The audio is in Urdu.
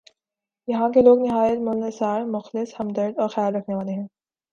یہاں کے لوگ نہایت ملنسار ، مخلص ، ہمدرد اورخیال رکھنے والے ہیں ۔